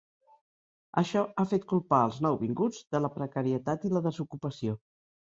Això ha fet culpar els nouvinguts de la precarietat i la desocupació.